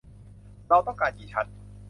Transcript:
เราต้องการกี่ชั้น ?